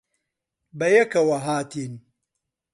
بەیەکەوە ھاتین.